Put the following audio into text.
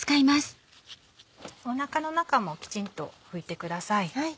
お腹の中もキチンと拭いてください。